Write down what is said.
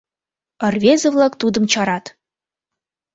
Рвезе-влак тудым чарат: